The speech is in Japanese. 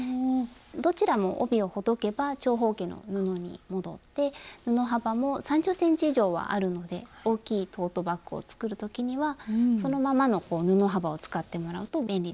どちらも帯をほどけば長方形の布に戻って布幅も３０ｃｍ以上はあるので大きいトートバッグを作る時にはそのままの布幅を使ってもらうと便利ですね。